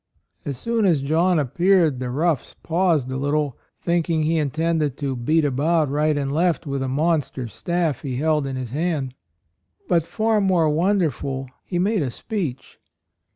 As soon as John appeared, the roughs paused a little, thinking he intended to beat about right and left with the 102 A ROYAL SON monster staff he held in his hand ; but, far more wonder ful, he made a speech.